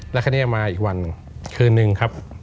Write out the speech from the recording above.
และค่ะเนี่ยมาอีกวันคืนนึงครับ